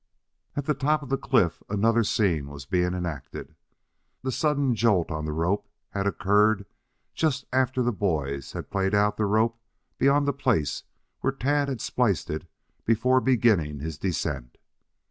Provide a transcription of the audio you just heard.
At the top of the cliff another scene was being enacted. The sudden jolt on the rope had occurred just after the boys had paid out the rope beyond the place where Tad had spliced it before beginning his descent.